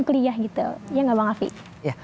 keliah gitu ya gak bang alfie